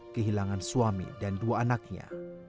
kehilangan suami dan dua anaknya